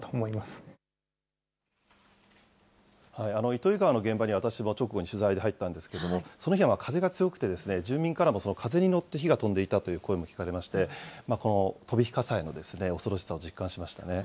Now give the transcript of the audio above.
糸魚川の現場に私も直後に取材に入ったんですけれども、その日は風が強くて、住民からも風に乗って火が飛んでいたという声も聞かれまして、飛び火火災の恐ろしさを実感しましたね。